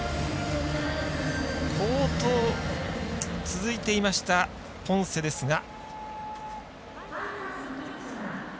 好投続いていましたポンセですが。